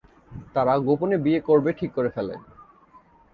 তারা গোপনে বিয়ে করবে ঠিক করে ফেলে।